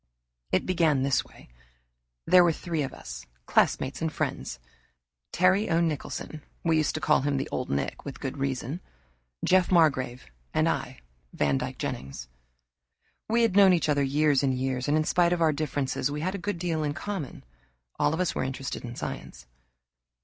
It began this way. There were three of us, classmates and friends Terry O. Nicholson (we used to call him the Old Nick, with good reason), Jeff Margrave, and I, Vandyck Jennings. We had known each other years and years, and in spite of our differences we had a good deal in common. All of us were interested in science.